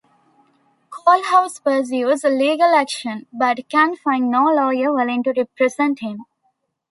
Coalhouse pursues legal action, but can find no lawyer willing to represent him.